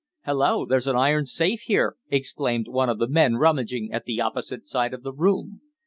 "Hulloa! There's an iron safe here!" exclaimed one of the men rummaging at the opposite side of the room.